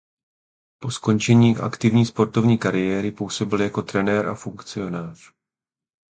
Po skončení aktivní sportovní kariéry působil jako trenér a funkcionář.